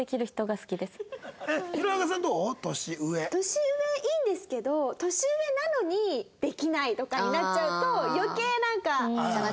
年上いいんですけど年上なのにできないとかになっちゃうと余計なんか下がっちゃうから。